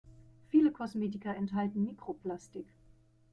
Viele Kosmetika enthalten Mikroplastik.